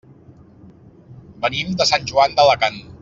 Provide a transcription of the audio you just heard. Venim de Sant Joan d'Alacant.